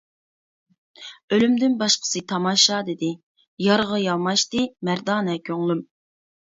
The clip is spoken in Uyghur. ئۆلۈمدىن باشقىسى تاماشا دېدى، يارغا ياماشتى مەردانە كۆڭلۈم.